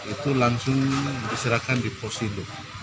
itu langsung diserahkan di posindo